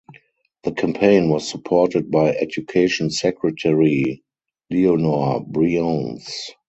The campaign was supported by Education Secretary Leonor Briones.